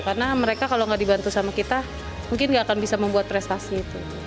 karena mereka kalau nggak dibantu sama kita mungkin nggak akan bisa membuat prestasi itu